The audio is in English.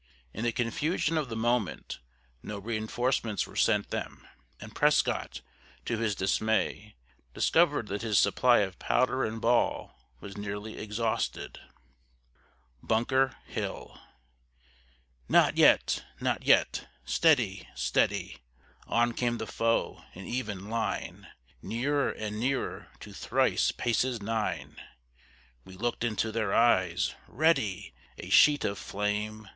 In the confusion of the moment, no reinforcements were sent them, and Prescott, to his dismay, discovered that his supply of powder and ball was nearly exhausted. BUNKER HILL "Not yet, not yet; steady, steady!" On came the foe, in even line: Nearer and nearer to thrice paces nine. We looked into their eyes. "Ready!" A sheet of flame!